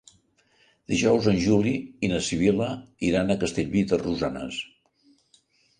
Dijous en Juli i na Sibil·la iran a Castellví de Rosanes.